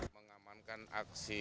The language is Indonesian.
mengamankan aksi satu ratus lima belas